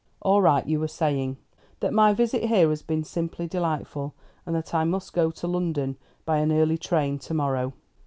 "All right. You were saying " "That my visit here has been simply delightful, and that I must go to London by an early train to morrow."